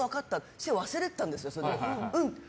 それで忘れてたんです。